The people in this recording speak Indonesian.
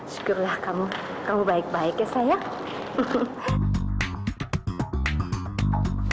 syukurlah kamu kamu baik baik ya saya